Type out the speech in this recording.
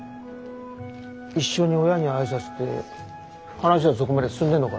一緒に親に挨拶って話はそこまで進んでんのかい？